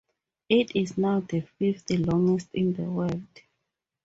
It is now the fifth longest in the world.